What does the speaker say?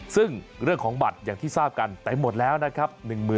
ซึ่งเรื่องของบัตรอย่างที่ทราบกันเต็มหมดแล้วนะครับ